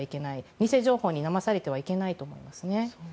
偽情報に騙されてはいけないと思うんですね。